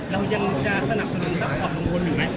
เรายังจะสนับสนุนซัพพอร์ตกังวลอยู่ไหม